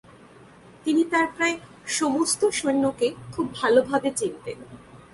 তিনি তার প্রায় সমস্ত সৈন্যকে খুব ভালোভাবে চিনতেন।